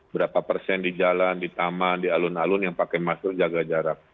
berapa persen di jalan di taman di alun alun yang pakai masker jaga jarak